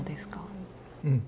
うん。